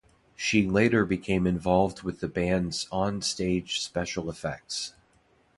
She later became involved with the band's on-stage special effects.